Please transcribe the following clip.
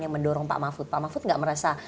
yang mendorong pak mahfud pak mahfud tidak merasa